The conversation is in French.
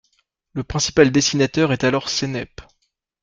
Le principal dessinateur est alors Sennep.